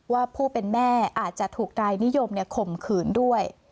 ว่าผู้เป็นแม่อาจจะถูกนายนิยมข่มขืนด้วย